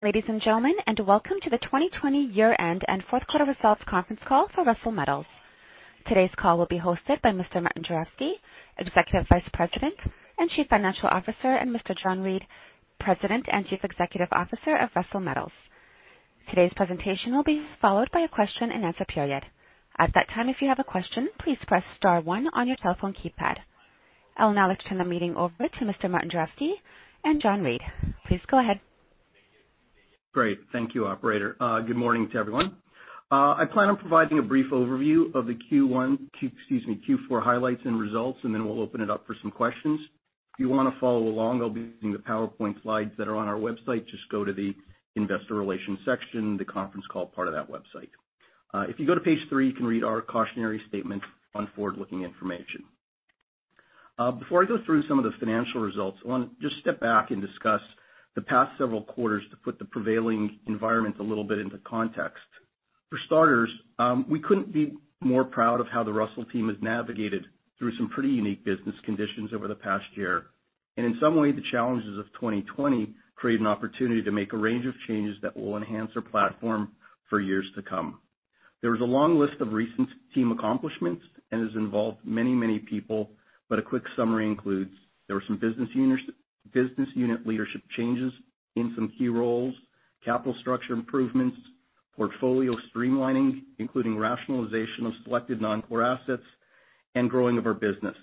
Ladies and gentlemen, welcome to the 2020 year-end and fourth quarter results conference call for Russel Metals. Today's call will be hosted by Mr. Martin Juravsky, Executive Vice President and Chief Financial Officer, and Mr. John Reid, President and Chief Executive Officer of Russel Metals. Today's presentation will be followed by a question-and-answer period. At that time, if you have a question, please press star one on your telephone keypad. I'll now turn the meeting over to Mr. Martin Juravsky and John Reid. Please go ahead. Great. Thank you, operator. Good morning to everyone. I plan on providing a brief overview of the Q4 highlights and results, and then we'll open it up for some questions. If you want to follow along, I'll be using the PowerPoint slides that are on our website. Just go to the investor relations section, the conference call part of that website. If you go to page three, you can read our cautionary statement on forward-looking information. Before I go through some of the financial results, I want to just step back and discuss the past several quarters to put the prevailing environment a little bit into context. For starters, we couldn't be more proud of how the Russel team has navigated through some pretty unique business conditions over the past year. In some way, the challenges of 2020 create an opportunity to make a range of changes that will enhance our platform for years to come. There is a long list of recent team accomplishments, and has involved many people, but a quick summary includes, there were some business unit leadership changes in some key roles, capital structure improvements, portfolio streamlining, including rationalization of selected non-core assets, and growing of our business.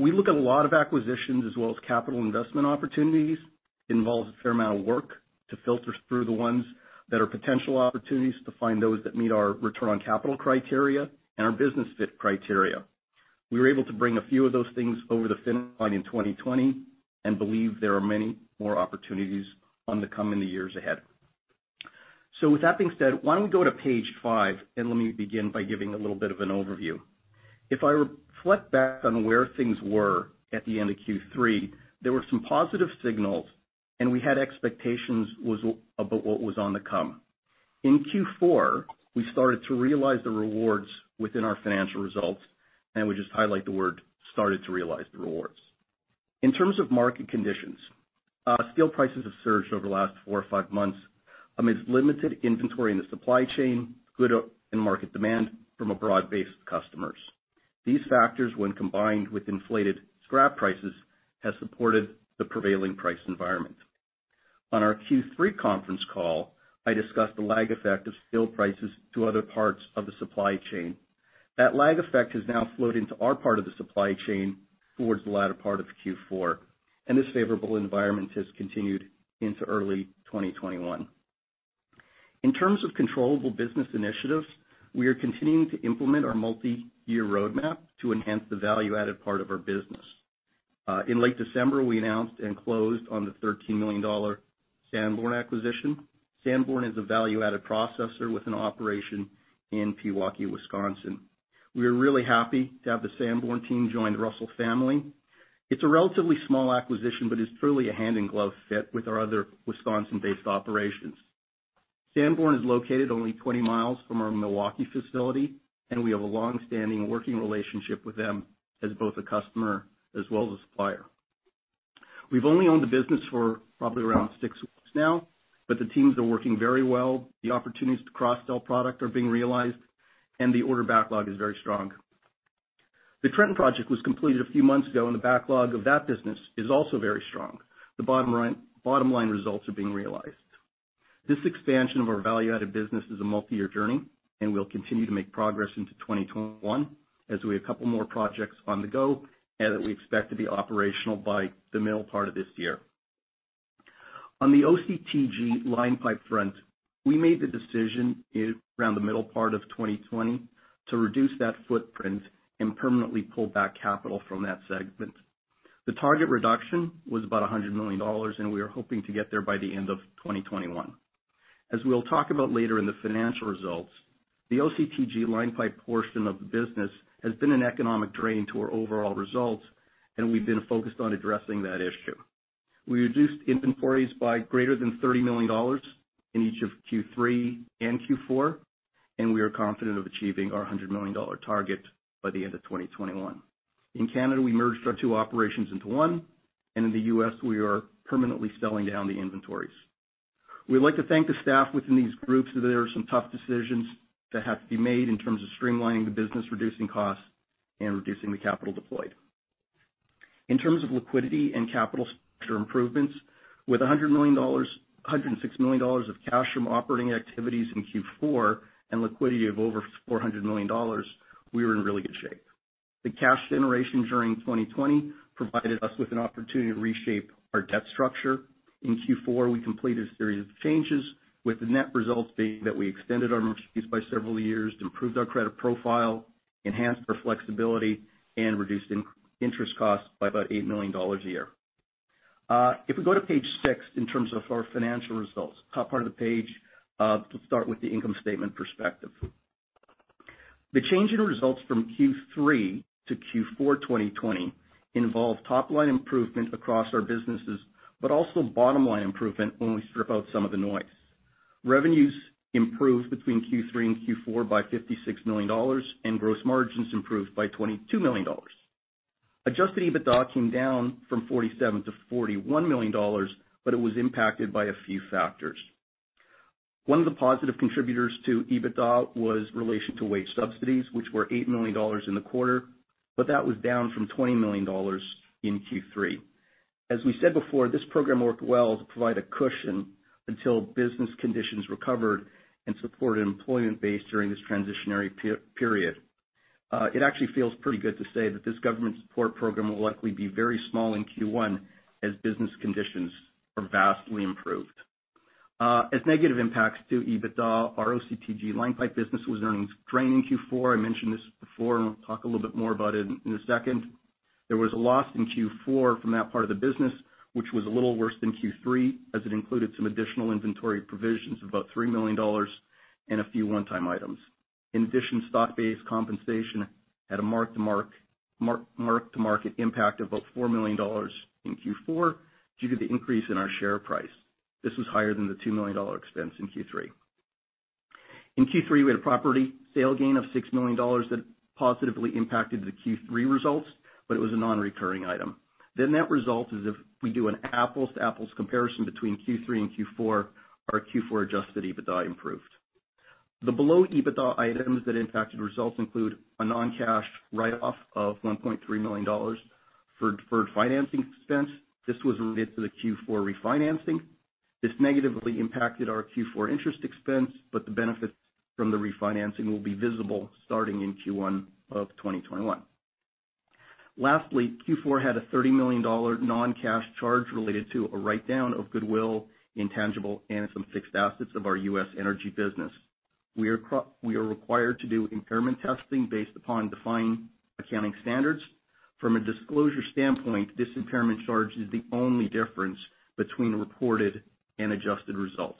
We look at a lot of acquisitions as well as capital investment opportunities. It involves a fair amount of work to filter through the ones that are potential opportunities to find those that meet our return on capital criteria and our business fit criteria. We were able to bring a few of those things over the finish line in 2020, and believe there are many more opportunities on the coming in the years ahead. With that being said, why don't we go to page five, and let me begin by giving a little bit of an overview. If I reflect back on where things were at the end of Q3, there were some positive signals, and we had expectations about what was on the come. In Q4, we started to realize the rewards within our financial results, and we just highlight the word, started to realize the rewards. In terms of market conditions, steel prices have surged over the last four or five months amidst limited inventory in the supply chain, good in-market demand from a broad base of customers. These factors, when combined with inflated scrap prices, have supported the prevailing price environment. On our Q3 conference call, I discussed the lag effect of steel prices to other parts of the supply chain. That lag effect has now flowed into our part of the supply chain towards the latter part of Q4, and this favorable environment has continued into early 2021. In terms of controllable business initiatives, we are continuing to implement our multi-year roadmap to enhance the value-added part of our business. In late December, we announced and closed on the 13 million dollar Sanborn acquisition. Sanborn is a value-added processor with an operation in Pewaukee, Wisconsin. We are really happy to have the Sanborn team join the Russel family. It's a relatively small acquisition but is truly a hand-in-glove fit with our other Wisconsin-based operations. Sanborn is located only 20 mi from our Milwaukee facility, and we have a longstanding working relationship with them as both a customer as well as a supplier. We've only owned the business for probably around six weeks now, but the teams are working very well. The opportunities to cross-sell product are being realized, and the order backlog is very strong. The Trenton project was completed a few months ago, and the backlog of that business is also very strong. The bottom-line results are being realized. This expansion of our value-added business is a multi-year journey, and we'll continue to make progress into 2021 as we have a couple more projects on the go and that we expect to be operational by the middle part of this year. On the OCTG line pipe front, we made the decision around the middle part of 2020 to reduce that footprint and permanently pull back capital from that segment. The target reduction was about 100 million dollars, and we are hoping to get there by the end of 2021. As we'll talk about later in the financial results, the OCTG line pipe portion of the business has been an economic drain to our overall results, and we've been focused on addressing that issue. We reduced inventories by greater than 30 million dollars in each of Q3 and Q4, and we are confident of achieving our 100 million dollar target by the end of 2021. In Canada, we merged our two operations into one, and in the U.S., we are permanently selling down the inventories. We'd like to thank the staff within these groups. There are some tough decisions that have to be made in terms of streamlining the business, reducing costs, and reducing the capital deployed. In terms of liquidity and capital structure improvements, with 106 million dollars of cash from operating activities in Q4 and liquidity of over 400 million dollars, we are in really good shape. The cash generation during 2020 provided us with an opportunity to reshape our debt structure. In Q4, we completed a series of changes, with the net results being that we extended our maturities by several years, improved our credit profile, enhanced our flexibility, and reduced interest costs by about 8 million dollars a year. We go to page six, in terms of our financial results, top part of the page, to start with the income statement perspective. The change in results from Q3 to Q4 2020 involved top-line improvement across our businesses, but also bottom-line improvement when we strip out some of the noise. Revenues improved between Q3 and Q4 by 56 million dollars, and gross margins improved by 22 million dollars. Adjusted EBITDA came down from 47 million-41 million dollars, but it was impacted by a few factors. One of the positive contributors to EBITDA was relation to Wage Subsidies, which were 8 million dollars in the quarter, that was down from 20 million dollars in Q3. As we said before, this program worked well to provide a cushion until business conditions recovered and supported employment base during this transitionary period. It actually feels pretty good to say that this government support program will likely be very small in Q1 as business conditions are vastly improved. As negative impacts to EBITDA, our OCTG line pipe business was in Q4. I mentioned this before, we'll talk a little bit more about it in a second. There was a loss in Q4 from that part of the business, which was a little worse than Q3, as it included some additional inventory provisions of about 3 million dollars and a few one-time items. In addition, stock-based compensation had a mark-to-market impact of about 4 million dollars in Q4 due to the increase in our share price. This was higher than the 2 million dollar expense in Q3. In Q3, we had a property sale gain of 6 million dollars that positively impacted the Q3 results, but it was a non-recurring item. That result is if we do an apples-to-apples comparison between Q3 and Q4, our Q4 adjusted EBITDA improved. The below EBITDA items that impacted results include a non-cash write-off of 1.3 million dollars for deferred financing expense. This was related to the Q4 refinancing. This negatively impacted our Q4 interest expense, but the benefit from the refinancing will be visible starting in Q1 of 2021. Lastly, Q4 had a 30 million dollar non-cash charge related to a write-down of goodwill, intangible, and some fixed assets of our U.S. energy business. We are required to do impairment testing based upon defined accounting standards. From a disclosure standpoint, this impairment charge is the only difference between reported and adjusted results.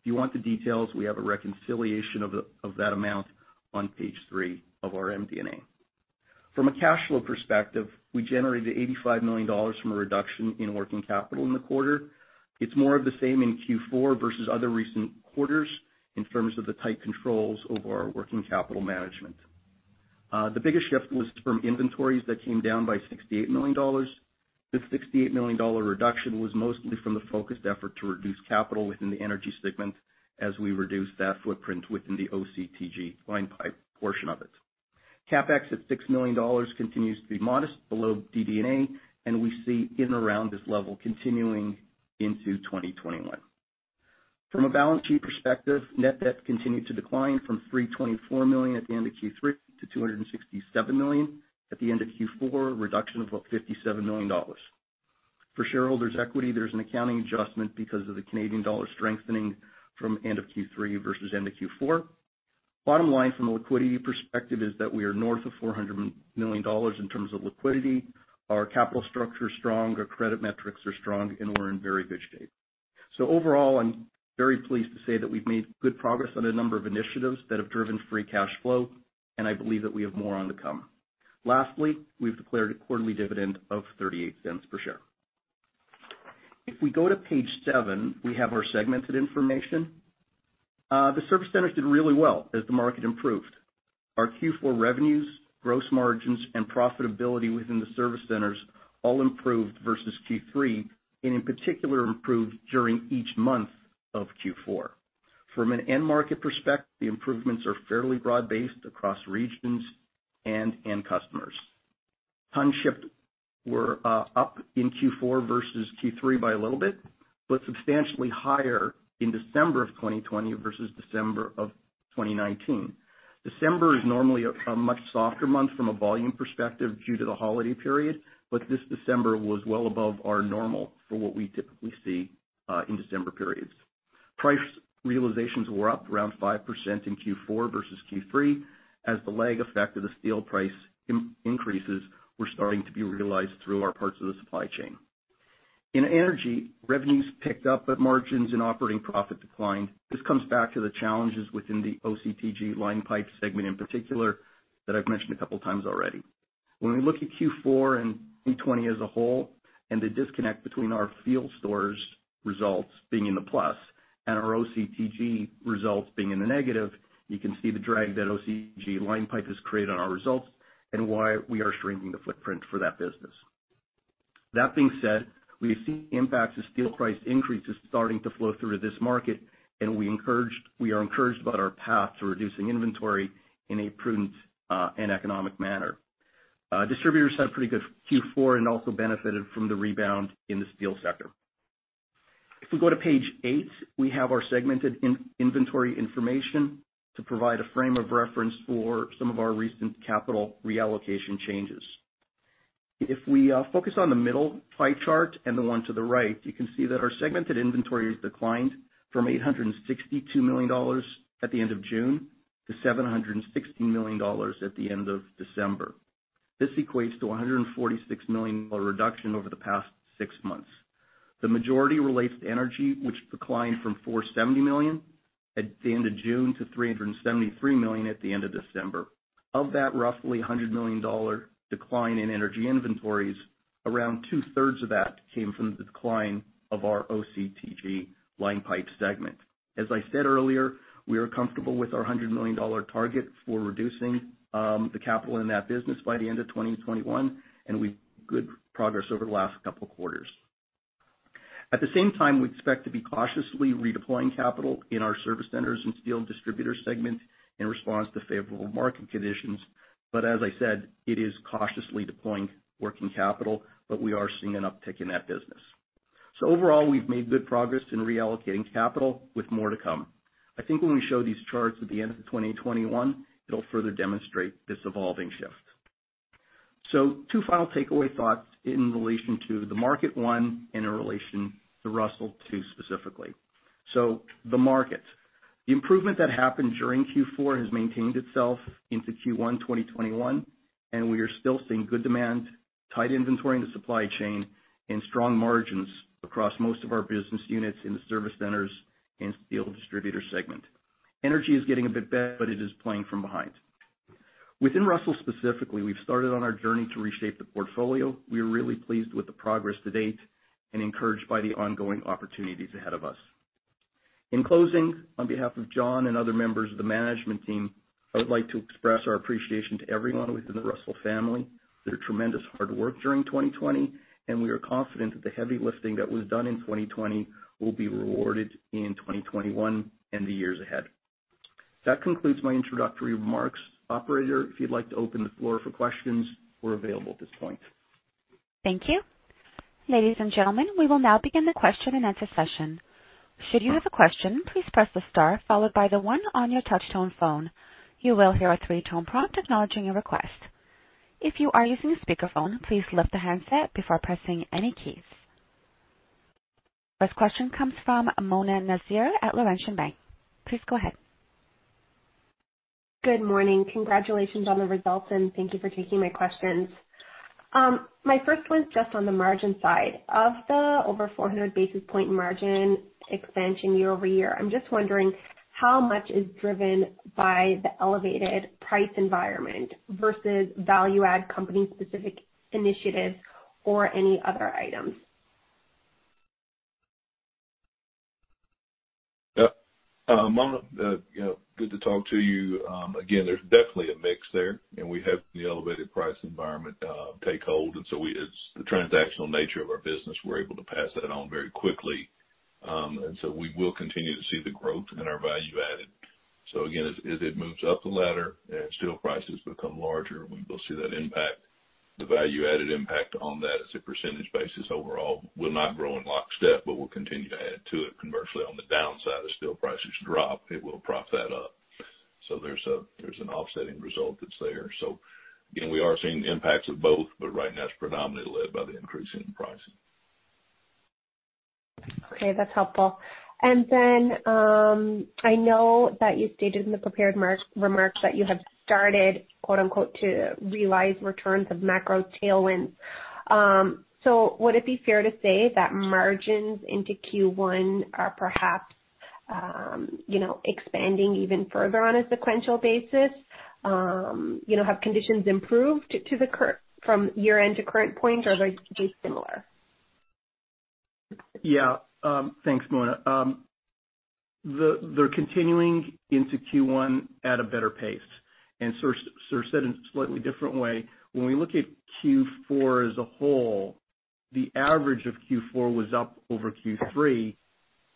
If you want the details, we have a reconciliation of that amount on page three of our MD&A. From a cash flow perspective, we generated 85 million dollars from a reduction in working capital in the quarter. It's more of the same in Q4 versus other recent quarters in terms of the tight controls over our working capital management. The biggest shift was from inventories that came down by 68 million dollars. This 68 million dollar reduction was mostly from the focused effort to reduce capital within the energy segment as we reduced that footprint within the OCTG line pipe portion of it. CapEx at 6 million dollars continues to be modest below DD&A, and we see in around this level continuing into 2021. From a balance sheet perspective, net debt continued to decline from 324 million at the end of Q3 to 267 million at the end of Q4, a reduction of about 57 million dollars. For shareholders' equity, there's an accounting adjustment because of the Canadian dollar strengthening from end of Q3 versus end of Q4. Bottom line from a liquidity perspective is that we are north of 400 million dollars in terms of liquidity. Our capital structure is strong, our credit metrics are strong, and we're in very good shape. Overall, I'm very pleased to say that we've made good progress on a number of initiatives that have driven free cash flow, and I believe that we have more on the come. Lastly, we've declared a quarterly dividend of 0.38 per share. If we go to page seven, we have our segmented information. The service centers did really well as the market improved. Our Q4 revenues, gross margins, and profitability within the service centers all improved versus Q3, and in particular improved during each month of Q4. From an end market perspective, the improvements are fairly broad-based across regions and end customers. Ton shipped were up in Q4 versus Q3 by a little bit, but substantially higher in December of 2020 versus December of 2019. December is normally a much softer month from a volume perspective due to the holiday period, but this December was well above our normal for what we typically see in December periods. Price realizations were up around 5% in Q4 versus Q3 as the lag effect of the steel price increases were starting to be realized through our parts of the supply chain. In energy, revenues picked up, but margins and operating profit declined. This comes back to the challenges within the OCTG line pipe segment in particular that I've mentioned a couple of times already. When we look at Q4 and 2020 as a whole and the disconnect between our field stores results being in the plus and our OCTG results being in the negative, you can see the drag that OCTG line pipe has created on our results and why we are shrinking the footprint for that business. That being said, we have seen impacts of steel price increases starting to flow through to this market, and we are encouraged about our path to reducing inventory in a prudent and economic manner. Distributors had a pretty good Q4 and also benefited from the rebound in the steel sector. If we go to page eight, we have our segmented inventory information to provide a frame of reference for some of our recent capital reallocation changes. If we focus on the middle pie chart and the one to the right, you can see that our segmented inventory has declined from 862 million dollars at the end of June to 716 million dollars at the end of December. This equates to a 146 million dollar reduction over the past six months. The majority relates to energy, which declined from 470 million at the end of June to 373 million at the end of December. Of that roughly 100 million dollar decline in energy inventories, around 2/3 of that came from the decline of our OCTG line pipe segment. As I said earlier, we are comfortable with our 100 million dollar target for reducing the capital in that business by the end of 2021, and we've made good progress over the last couple of quarters. At the same time, we expect to be cautiously redeploying capital in our service centers and Steel Distributor segment in response to favorable market conditions, but as I said, it is cautiously deploying working capital, but we are seeing an uptick in that business. Overall, we've made good progress in reallocating capital with more to come. I think when we show these charts at the end of 2021, it'll further demonstrate this evolving shift. Two final takeaway thoughts in relation to the market, one, in a relation to Russel, two, specifically. The market. The improvement that happened during Q4 has maintained itself into Q1 2021, and we are still seeing good demand, tight inventory in the supply chain, and strong margins across most of our business units in the service centers and Steel Distributor segment. Energy is getting a bit better, but it is playing from behind. Within Russel specifically, we've started on our journey to reshape the portfolio. We are really pleased with the progress to date and encouraged by the ongoing opportunities ahead of us. In closing, on behalf of John and other members of the management team, I would like to express our appreciation to everyone within the Russel family, their tremendous hard work during 2020, and we are confident that the heavy lifting that was done in 2020 will be rewarded in 2021 and the years ahead. That concludes my introductory remarks. Operator, if you'd like to open the floor for questions, we're available at this point. Thank you. Ladies and gentlemen, we will now begin the question-and-answer session. Should you have a question, please press the star followed by the one on your touchtone phone. You will hear a three-tone prompt acknowledging your request. If you are using a speakerphone, please lift the handset before pressing any keys. First question comes from Mona Nazir at Laurentian Bank. Please go ahead. Good morning. Congratulations on the results, and thank you for taking my questions. My first one's just on the margin side. Of the over 400 basis point margin expansion year-over-year, I'm just wondering how much is driven by the elevated price environment versus value add company specific initiatives or any other items. Yeah. Mona, good to talk to you. Again, there's definitely a mix there. We have the elevated price environment take hold. It's the transactional nature of our business. We're able to pass that on very quickly. We will continue to see the growth in our value-added. Again, as it moves up the ladder, steel prices become larger, we will see that impact, the value-added impact on that as a percentage basis overall will not grow in lockstep. We'll continue to add to it. Commercially, on the downside, as steel prices drop, it will prop that up. There's an offsetting result that's there. Again, we are seeing the impacts of both. Right now, it's predominantly led by the increase in pricing. Okay, that's helpful. I know that you stated in the prepared remarks that you have started "to realize returns of macro tailwinds." Would it be fair to say that margins into Q1 are perhaps expanding even further on a sequential basis? Have conditions improved from year-end to current point, or are they similar? Yeah. Thanks, Mona. They're continuing into Q1 at a better pace. Said in a slightly different way, when we look at Q4 as a whole, the average of Q4 was up over Q3,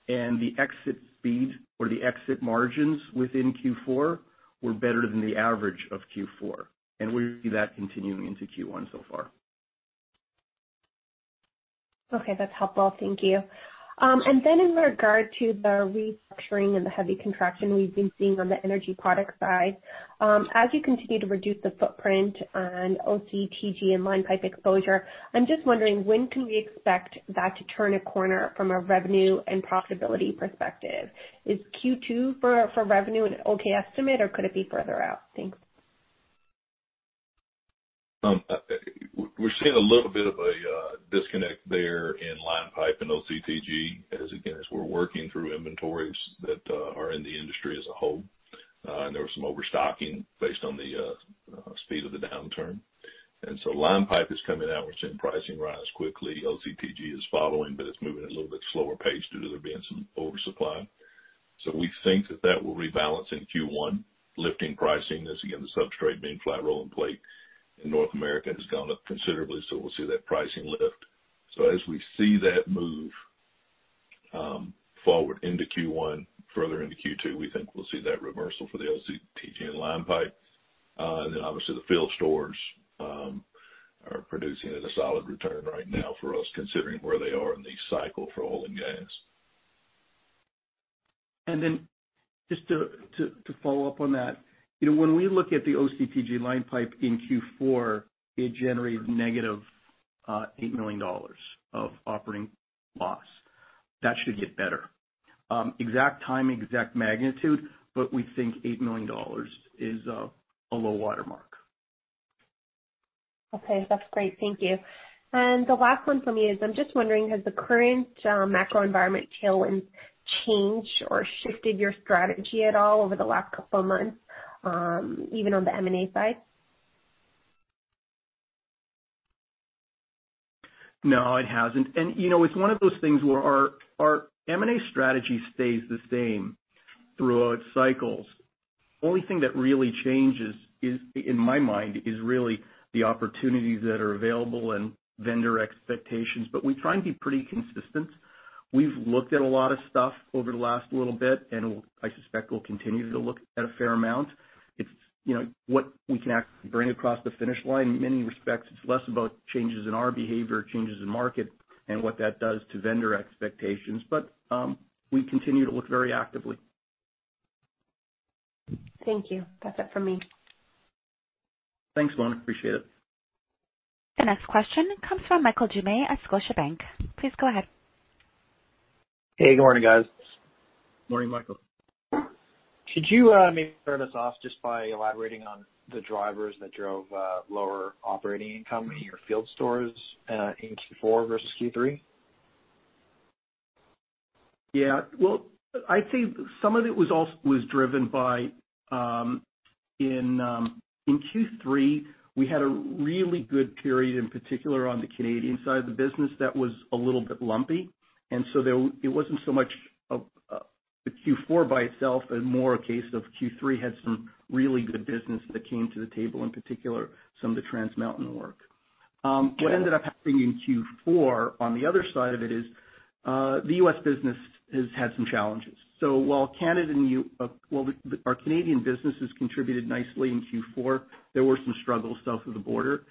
and the exit speed or the exit margins within Q4 were better than the average of Q4, and we see that continuing into Q1 so far. Okay, that's helpful. Thank you. Then in regard to the restructuring and the heavy contraction we've been seeing on the energy product side. As you continue to reduce the footprint on OCTG and line pipe exposure, I'm just wondering when can we expect that to turn a corner from a revenue and profitability perspective? Is Q2 for revenue an okay estimate, or could it be further out? Thanks. We're seeing a little bit of a disconnect there in line pipe and OCTG as, again, we're working through inventories that are in the industry as a whole. There was some overstocking based on the speed of the downturn. Line pipe is coming out. We're seeing pricing rise quickly. OCTG is following, but it's moving at a little bit slower pace due to there being some oversupply. We think that that will rebalance in Q1, lifting pricing as, again, the substrate being flat roll and plate in North America has gone up considerably, so we'll see that pricing lift. As we see that move forward into Q1, further into Q2, we think we'll see that reversal for the OCTG and line pipe. Obviously, the field stores are producing at a solid return right now for us, considering where they are in the cycle for oil and gas. Just to follow up on that. When we look at the OCTG line pipe in Q4, it generated negative 8 million dollars of operating loss. That should get better. Exact time, exact magnitude, we think 8 million dollars is a low watermark. Okay, that's great. Thank you. The last one from me is, I'm just wondering, has the current macro environment tailwind changed or shifted your strategy at all over the last couple of months, even on the M&A side? No, it hasn't. It's one of those things where our M&A strategy stays the same throughout cycles. Only thing that really changes, in my mind, is really the opportunities that are available and vendor expectations, but we try and be pretty consistent. We've looked at a lot of stuff over the last little bit, and I suspect we'll continue to look at a fair amount. It's what we can actually bring across the finish line. In many respects, it's less about changes in our behavior, changes in market, and what that does to vendor expectations. We continue to look very actively. Thank you. That's it from me. Thanks, Mona. Appreciate it. The next question comes from Michael Doumet at Scotiabank. Please go ahead. Hey, good morning, guys. Morning, Michael. Could you maybe start us off just by elaborating on the drivers that drove lower operating income in your field stores in Q4 versus Q3? Yeah. Well, I'd say some of it was driven by in Q3, we had a really good period, in particular on the Canadian side of the business that was a little bit lumpy. It wasn't so much of the Q4 by itself, but more a case of Q3 had some really good business that came to the table, in particular, some of the Trans Mountain work. Got it. What ended up happening in Q4, on the other side of it is, the U.S. business has had some challenges. While our Canadian business has contributed nicely in Q4, there were some struggles south of the border.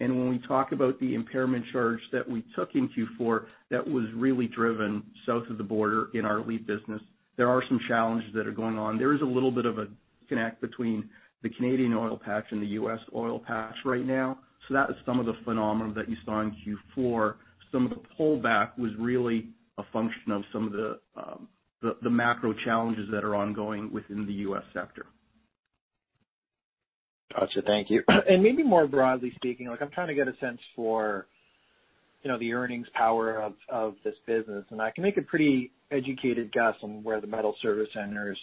When we talk about the impairment charge that we took in Q4, that was really driven south of the border in our business. There are some challenges that are going on. There is a little bit of a disconnect between the Canadian oil patch and the U.S. oil patch right now. That is some of the phenomenon that you saw in Q4. Some of the pullback was really a function of some of the macro challenges that are ongoing within the U.S. sector. Got you. Thank you. Maybe more broadly speaking, I'm trying to get a sense for the earnings power of this business, I can make a pretty educated guess on where the Metals Service Centers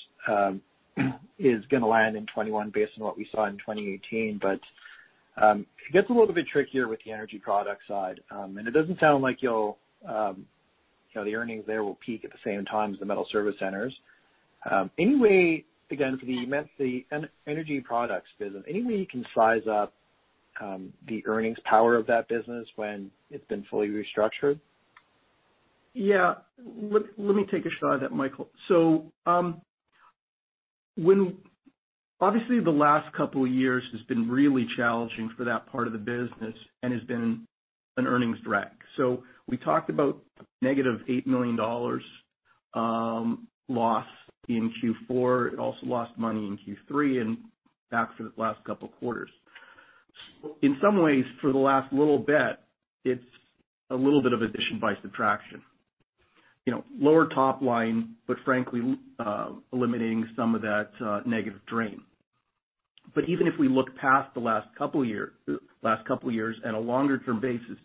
is gonna land in 2021 based on what we saw in 2018. It gets a little bit trickier with the energy product side. It doesn't sound like the earnings there will peak at the same time as the Metals Service Centers. Again, for the Energy Products business, any way you can size up the earnings power of that business when it's been fully restructured? Yeah. Let me take a shot at that, Michael. Obviously, the last couple of years has been really challenging for that part of the business and has been an earnings drag. We talked about -8 million dollars loss in Q4. It also lost money in Q3 and back for the last couple of quarters. In some ways, for the last little bit, it's a little bit of addition by subtraction. Lower top line, but frankly, eliminating some of that negative drain. Even if we look past the last couple of years and a longer-term basis,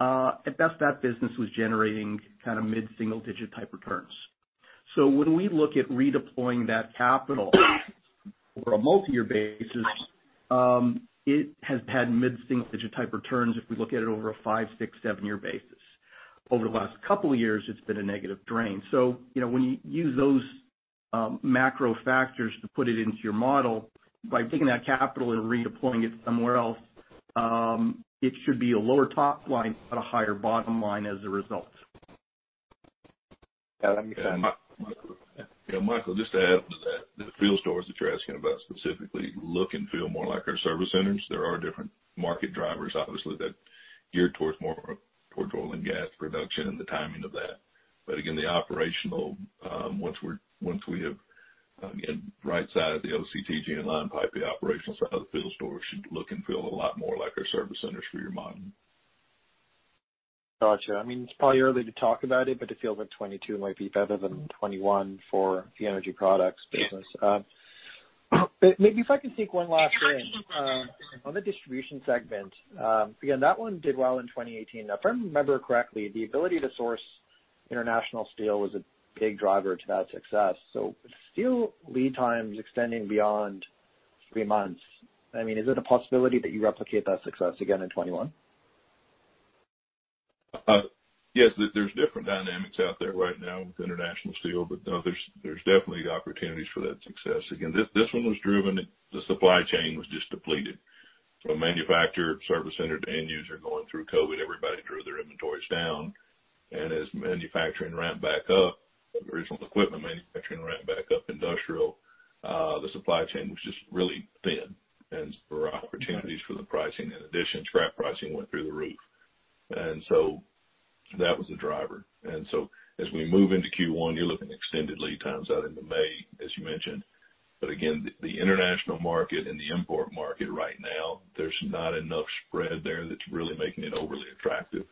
at best that business was generating mid-single digit type returns. When we look at redeploying that capital over a multi-year basis, it has had mid-single digit type returns if we look at it over a five, six, seven-year basis. Over the last couple of years, it's been a negative drain. When you use those macro factors to put it into your model, by taking that capital and redeploying it somewhere else, it should be a lower top line, but a higher bottom line as a result. That makes sense. Yeah, Michael, just to add to that, the field stores that you're asking about specifically look and feel more like our service centers. There are different market drivers, obviously, that geared towards more toward oil and gas production and the timing of that. Again, the operational, once we have, again, right sized the OCTG and line pipe, the operational side of the field store should look and feel a lot more like our service centers for your model. Got you. It's probably early to talk about it, but it feels like 2022 might be better than 2021 for the Energy Products business. Yeah. Maybe if I can sneak one last in. On the distribution segment, again, that one did well in 2018. If I remember correctly, the ability to source international steel was a big driver to that success. With steel lead times extending beyond three months, is it a possibility that you replicate that success again in 2021? Yes. There's different dynamics out there right now with international steel, but no, there's definitely opportunities for that success. This one was driven, the supply chain was just depleted. From manufacturer, service center, to end user going through COVID, everybody drew their inventories down. As manufacturing ramped back up, original equipment manufacturing ramped back up, industrial, the supply chain was just really thin and there were opportunities for the pricing. In addition, scrap pricing went through the roof. That was the driver. As we move into Q1, you're looking at extended lead times out into May, as you mentioned. Again, the international market and the import market right now, there is not enough spread there that is really making it overly attractive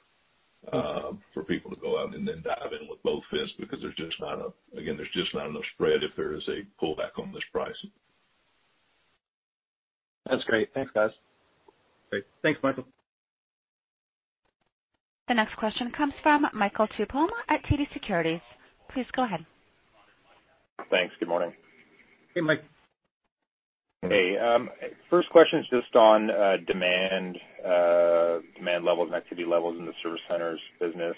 for people to go out and then dive in with both fists because, again, there is just not enough spread if there is a pullback on this pricing. That's great. Thanks, guys. Great. Thanks, Michael. The next question comes from Michael Tupholme at TD Securities. Please go ahead. Thanks. Good morning. Hey, Mike. Hey. First question is just on demand levels and activity levels in the service centers business.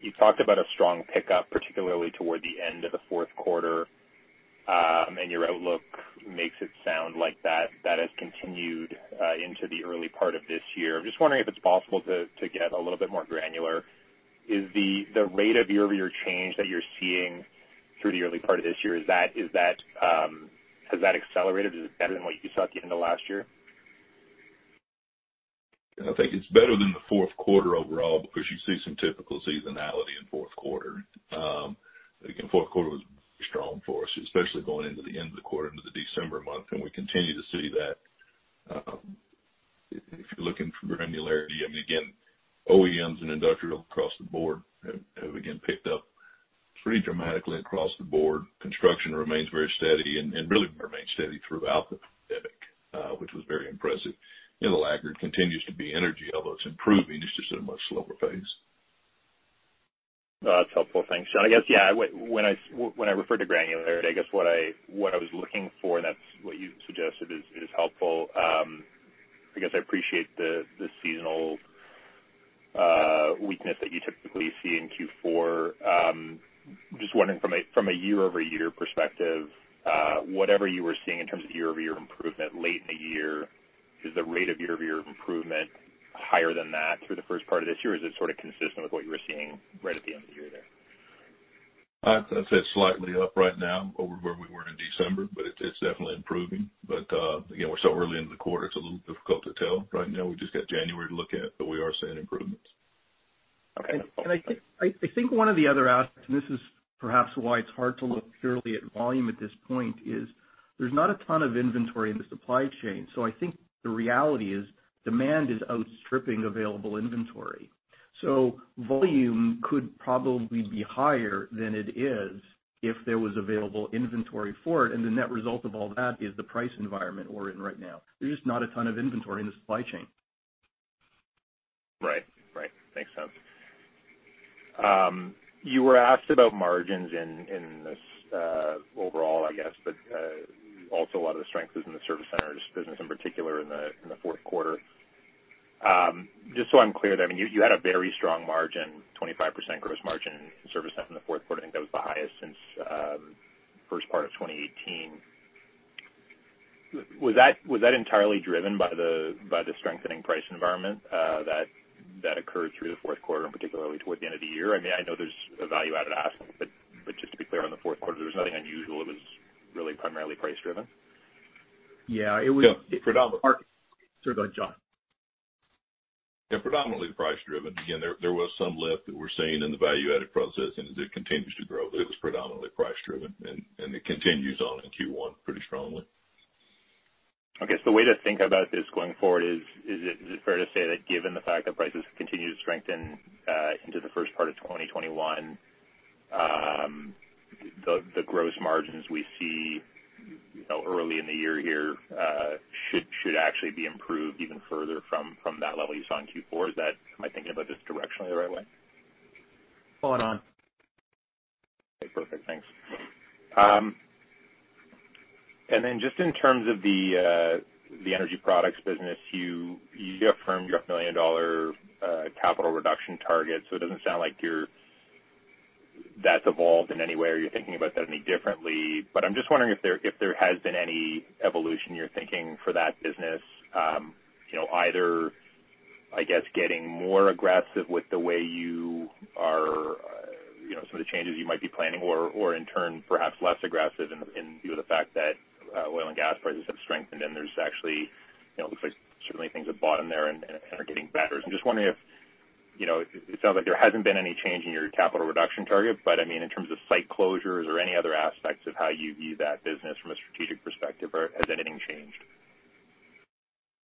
You talked about a strong pickup, particularly toward the end of the fourth quarter. Your outlook makes it sound like that has continued into the early part of this year. I'm just wondering if it's possible to get a little bit more granular. Is the rate of year-over-year change that you're seeing through the early part of this year, has that accelerated? Is it better than what you saw at the end of last year? I think it's better than the fourth quarter overall because you see some typical seasonality in fourth quarter. Again, fourth quarter was strong for us, especially going into the end of the quarter into the December month, and we continue to see that. If you're looking for granularity, again, OEMs and industrial across the board have again picked up pretty dramatically across the board. Construction remains very steady and really remained steady throughout the pandemic, which was very impressive. The laggard continues to be energy, although it's improving, it's just at a much slower pace. That's helpful. Thanks, John. I guess, yeah, when I refer to granularity, I guess what I was looking for, and that's what you suggested is helpful. I guess I appreciate the seasonal weakness that you typically see in Q4. Just wondering from a year-over-year perspective, whatever you were seeing in terms of year-over-year improvement late in the year, is the rate of year-over-year improvement higher than that through the first part of this year? Or is it sort of consistent with what you were seeing right at the end of the year there? I'd say it's slightly up right now over where we were in December, but it's definitely improving. Again, we're so early in the quarter, it's a little difficult to tell. Right now, we just got January to look at, but we are seeing improvements. Okay. I think one of the other aspects, and this is perhaps why it's hard to look purely at volume at this point, is there's not a ton of inventory in the supply chain. I think the reality is demand is outstripping available inventory. Volume could probably be higher than it is if there was available inventory for it, and the net result of all that is the price environment we're in right now. There's just not a ton of inventory in the supply chain. Right. Make sense. You were asked about margins in this, overall, I guess, but also a lot of the strength is in the service centers business, in particular in the fourth quarter. Just so I'm clear, you had a very strong margin, 25% gross margin service center in the fourth quarter. I think that was the highest since first part of 2018. Was that entirely driven by the strengthening price environment that occurred through the fourth quarter and particularly toward the end of the year? I know there's a value-added aspect, but just to be clear on the fourth quarter, there was nothing unusual, it was really primarily price driven? Yeah. Yeah. Predominantly. Sorry, go ahead, John. Yeah, predominantly price driven. There was some lift that we're seeing in the value-added process, and as it continues to grow, but it was predominantly price driven, and it continues on in Q1 pretty strongly. Okay. The way to think about this going forward is it fair to say that given the fact that prices continue to strengthen into the first part of 2021, the gross margins we see early in the year here should actually be improved even further from that level you saw in Q4? Am I thinking about this directionally the right way? Spot on. Okay, perfect. Thanks. Then just in terms of the Energy Products business, you affirmed your [million-dollar] capital reduction target, so it doesn't sound like that's evolved in any way or you're thinking about that any differently. I'm just wondering if there has been any evolution you're thinking for that business. Either, I guess, getting more aggressive with some of the changes you might be planning or in turn, perhaps less aggressive in view of the fact that oil and gas prices have strengthened and it looks like certainly things have bottomed there and are getting better. I'm just wondering if, it sounds like there hasn't been any change in your capital reduction target, but in terms of site closures or any other aspects of how you view that business from a strategic perspective, has anything changed?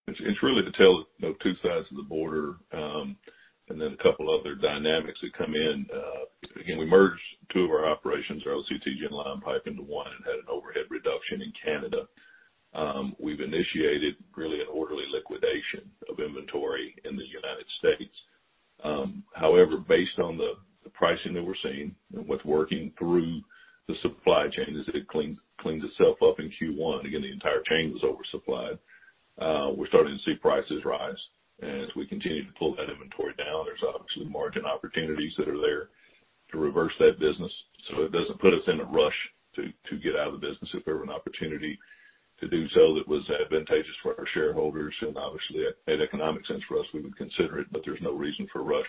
It's really the tale of two sides of the border, and then a couple other dynamics that come in. Again, we merged two of our operations, our OCTG and line pipe into one and had an overhead reduction in Canada. We've initiated really an orderly liquidation of inventory in the United States. However, based on the pricing that we're seeing and what's working through the supply chain, as it cleans itself up in Q1, again, the entire chain was oversupplied. We're starting to see prices rise. As we continue to pull that inventory down, there's obviously margin opportunities that are there to reverse that business. It doesn't put us in a rush to get out of the business. If there were an opportunity to do so that was advantageous for our shareholders and obviously made economic sense for us, we would consider it, but there's no reason for a rush.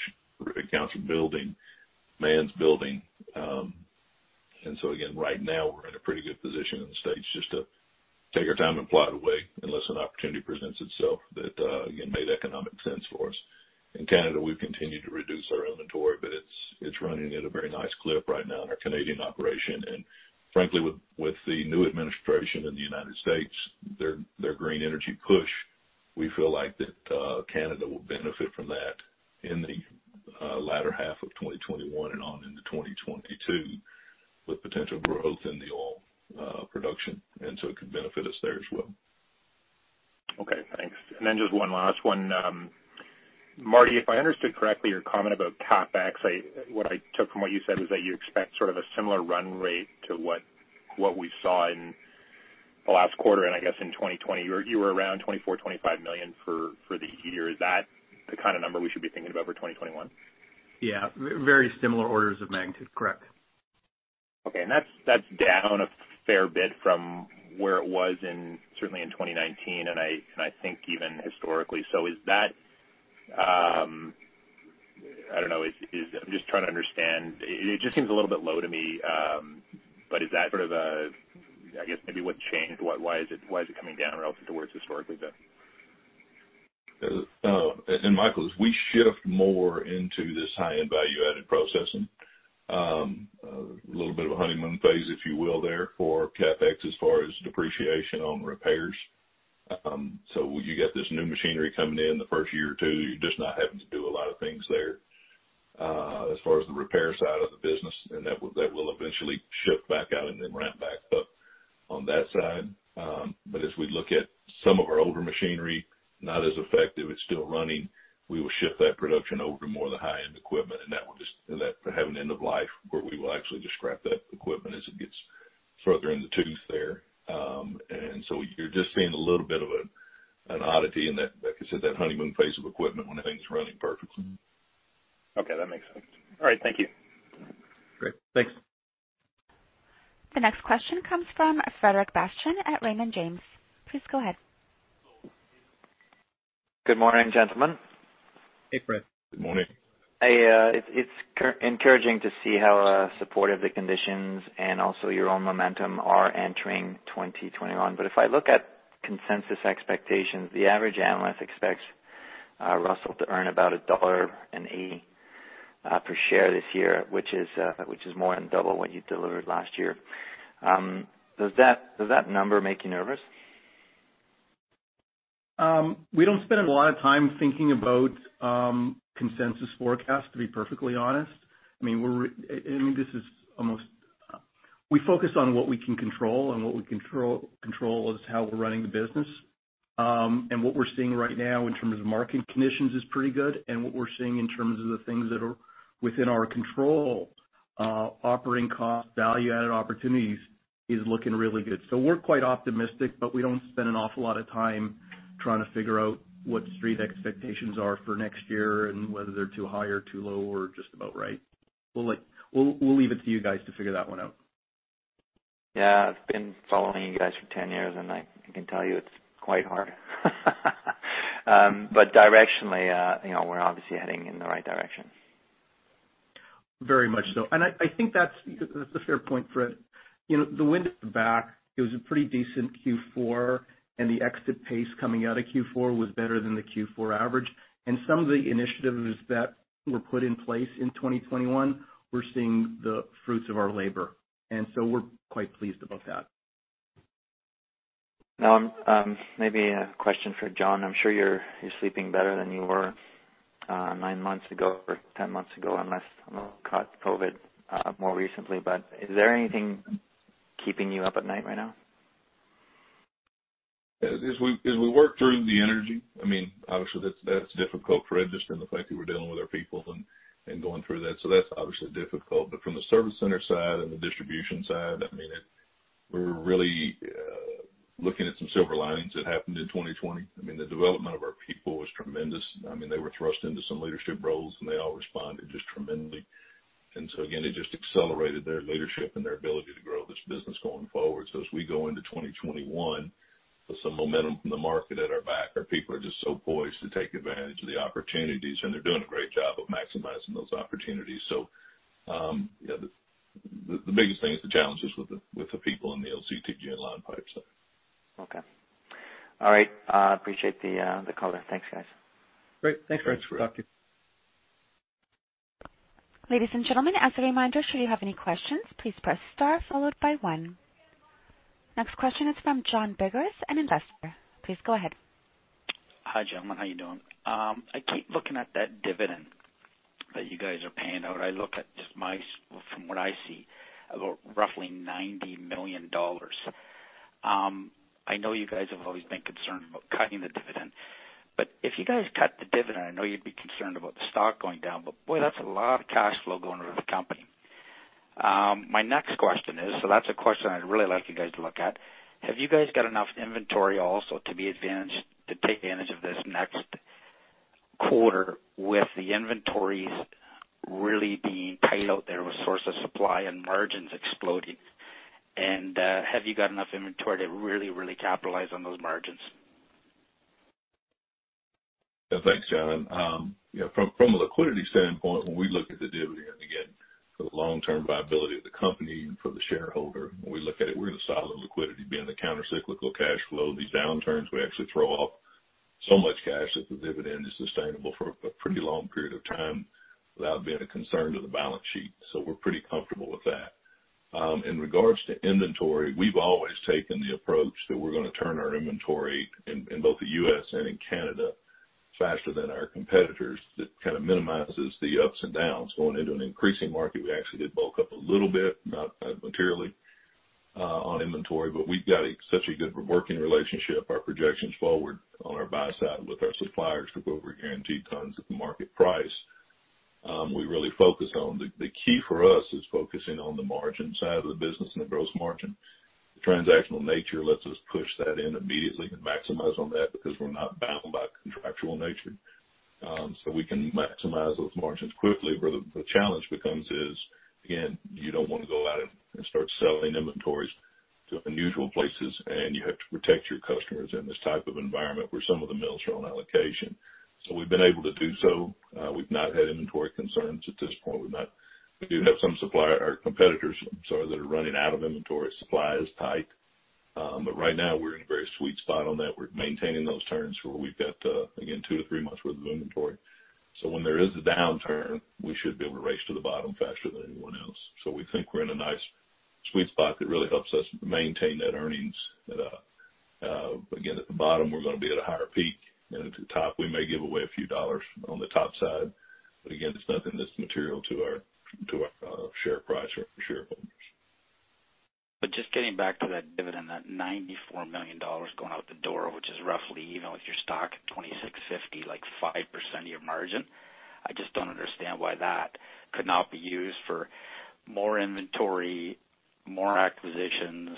Again, right now, we're in a pretty good position in the States just to take our time and plot away unless an opportunity presents itself that, again, made economic sense for us. In Canada, we've continued to reduce our inventory, but it's running at a very nice clip right now in our Canadian operation. Frankly, with the new administration in the United States, their green energy push, we feel like that Canada will benefit from that in the latter half of 2021 and on into 2022, with potential growth in the oil production. It could benefit us there as well. Okay, thanks. Just one last one. Marty, if I understood correctly your comment about CapEx, what I took from what you said was that you expect sort of a similar run rate to what we saw in the last quarter, and I guess in 2020. You were around 24 million-25 million for the year. Is that the kind of number we should be thinking about for 2021? Yeah. Very similar orders of magnitude. Correct. Okay. That's down a fair bit from where it was certainly in 2019, and I think even historically. Is that I don't know. I'm just trying to understand. It just seems a little bit low to me. Is that sort of a I guess maybe what changed? Why is it coming down relative to where it's historically been? Michael, as we shift more into this high-end value-added processing, a little bit of a honeymoon phase, if you will there for CapEx as far as depreciation on repairs. You got this new machinery coming in the first year or two, you're just not having to do a lot of things there as far as the repair side of the business, and that will eventually shift back out and then ramp back up on that side. As we look at some of our older machinery, not as effective, it's still running, we will shift that production over to more of the high-end equipment, and that will just have an end of life where we will actually just scrap that equipment as it gets further in the tooth there. You're just seeing a little bit of an oddity in that. Like I said, that honeymoon phase of equipment when everything's running perfectly. Okay, that makes sense. All right, thank you. Great. Thanks. The next question comes from Frederic Bastien at Raymond James. Please go ahead. Good morning, gentlemen. Hey, Fred. Good morning. It's encouraging to see how supportive the conditions and also your own momentum are entering 2021. If I look at consensus expectations, the average analyst expects Russel to earn about 1.80 dollar per share this year, which is more than double what you delivered last year. Does that number make you nervous? We don't spend a lot of time thinking about consensus forecast, to be perfectly honest. We focus on what we can control, and what we control is how we're running the business. What we're seeing right now in terms of market conditions is pretty good, and what we're seeing in terms of the things that are within our control, operating costs, value-added opportunities, is looking really good. We're quite optimistic, but we don't spend an awful lot of time trying to figure out what street expectations are for next year and whether they're too high or too low or just about right. We'll leave it to you guys to figure that one out. Yeah. I've been following you guys for 10 years. I can tell you it's quite hard. Directionally, we're obviously heading in the right direction. Very much so. I think that's a fair point, Fred. The. It was a pretty decent Q4, and the exit pace coming out of Q4 was better than the Q4 average. Some of the initiatives that were put in place in 2021, we're seeing the fruits of our labor, we're quite pleased about that. Maybe a question for John. I'm sure you're sleeping better than you were nine months ago or 10 months ago, unless you caught COVID more recently. Is there anything keeping you up at night right now? As we work through the energy, obviously that's difficult, Fred, just in the fact that we're dealing with our people and going through that's obviously difficult. From the service center side and the distribution side, we're really looking at some silver linings that happened in 2020. The development of our people was tremendous. They were thrust into some leadership roles, and they all responded just tremendously. Again, it just accelerated their leadership and their ability to grow this business going forward. As we go into 2021 with some momentum from the market at our back, our people are just so poised to take advantage of the opportunities, and they're doing a great job of maximizing those opportunities. The biggest thing is the challenges with the people in the OCTG and line pipe side. Okay. All right. Appreciate the call then. Thanks, guys. Great. Thanks, Fred. Thanks, Fred. Talk to you. Ladies and gentlemen, as a reminder, should you have any questions, please press star followed by one. Next question is from John Biggs, an investor. Please go ahead. Hi, gentlemen. How you doing? I keep looking at that dividend that you guys are paying out. I look at just from what I see, about roughly 90 million dollars. I know you guys have always been concerned about cutting the dividend. If you guys cut the dividend, I know you'd be concerned about the stock going down, but boy, that's a lot of cash flow going out of the company. My next question is, that's a question I'd really like you guys to look at. Have you guys got enough inventory also to take advantage of this next quarter with the inventories really being tight out there with source of supply and margins exploding? Have you got enough inventory to really capitalize on those margins? Thanks, John. From a liquidity standpoint, when we look at the dividend, again, for the long-term viability of the company and for the shareholder, when we look at it, we're in a solid liquidity, being the counter-cyclical cash flow. These downturns, we actually throw off so much cash that the dividend is sustainable for a pretty long period of time without being a concern to the balance sheet. We're pretty comfortable with that. In regards to inventory, we've always taken the approach that we're going to turn our inventory in both the U.S. and in Canada faster than our competitors. That kind of minimizes the ups and downs. Going into an increasing market, we actually did bulk up a little bit, not materially, on inventory, but we've got such a good working relationship, our projections forward on our buy side with our suppliers to go over guaranteed tons at the market price. The key for us is focusing on the margin side of the business and the gross margin. The transactional nature lets us push that in immediately and maximize on that because we're not bound by contractual nature. We can maximize those margins quickly. Where the challenge becomes is, again, you don't want to go out and start selling inventories to unusual places, and you have to protect your customers in this type of environment where some of the mills are on allocation. We've been able to do so. We've not had inventory concerns at this point. We do have some competitors that are running out of inventory. Supply is tight. Right now, we're in a very sweet spot on that. We're maintaining those turns where we've got, again, two to three months worth of inventory. When there is a downturn, we should be able to race to the bottom faster than anyone else. We think we're in a nice, sweet spot that really helps us maintain that earnings. Again, at the bottom, we're going to be at a higher peak. At the top, we may give away a few dollars on the top side. Again, it's nothing that's material to our share price or for shareholders. Just getting back to that dividend, that 94 million dollars going out the door, which is roughly, even with your stock at 26.50, 5% of your margin. I just don't understand why that could not be used for more inventory, more acquisitions.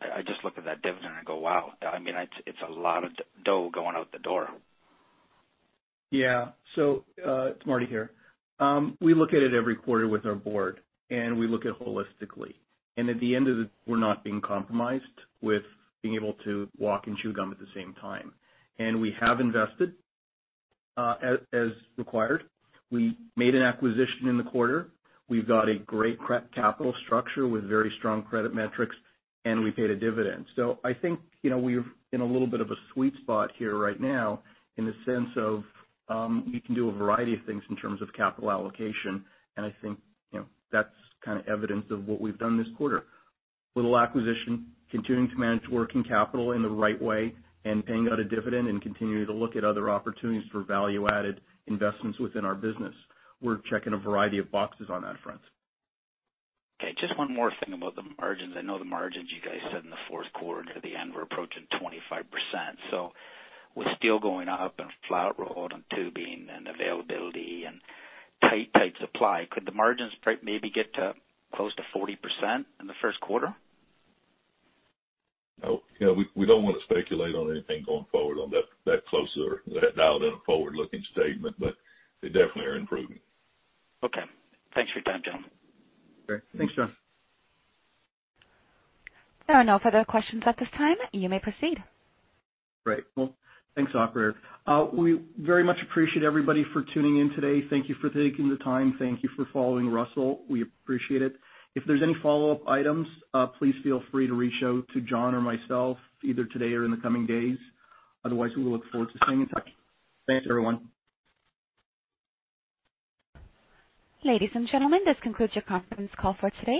I just look at that dividend and go, "Wow." It's a lot of dough going out the door. Yeah. It's Marty here. We look at it every quarter with our board, and we look at it holistically. At the end of the day, we're not being compromised with being able to walk and chew gum at the same time. We have invested, as required. We made an acquisition in the quarter. We've got a great capital structure with very strong credit metrics, and we paid a dividend. I think we're in a little bit of a sweet spot here right now in the sense of, you can do a variety of things in terms of capital allocation. I think, that's kind of evidence of what we've done this quarter. Little acquisition, continuing to manage working capital in the right way, and paying out a dividend and continuing to look at other opportunities for value-added investments within our business. We're checking a variety of boxes on that front. Okay, just one more thing about the margins. I know the margins you guys said in the fourth quarter, near the end were approaching 25%. With steel going up and flat-rolled and tubing and availability and tight supply, could the margins maybe get to close to 40% in the first quarter? We don't want to speculate on anything going forward forward-looking statement, but they definitely are improving. Okay. Thanks for your time, gentlemen. Great. Thanks, John. There are no further questions at this time. You may proceed. Great. Well, thanks, operator. We very much appreciate everybody for tuning in today. Thank you for taking the time. Thank you for following Russel. We appreciate it. If there's any follow-up items, please feel free to reach out to John or myself, either today or in the coming days. Otherwise, we look forward to staying in touch. Thanks, everyone. Ladies and gentlemen, this concludes your conference call for today.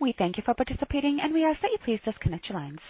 We thank you for participating, and we ask that you please disconnect your lines.